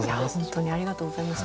ありがとうございます。